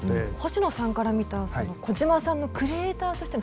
星野さんから見た小島さんのクリエーターとしてのすごさって何ですか？